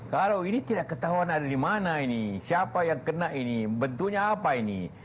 kalau ini tidak ketahuan ada di mana ini siapa yang kena ini bentuknya apa ini